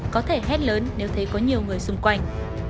có thể hét lớn nếu thấy có nhiều người xung quanh